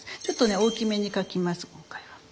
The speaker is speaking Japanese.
ちょっとね大きめに描きます今回は。